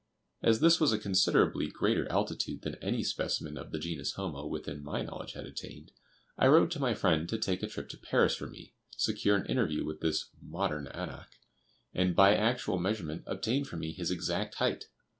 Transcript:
As this was a considerably greater altitude than any specimen of the genus homo within my knowledge had attained, I wrote to my friend to take a trip to Paris for me, secure an interview with this modern Anak, and by actual measurement obtain for me his exact height.